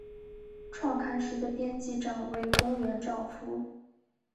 创刊时的编辑长为宫原照夫。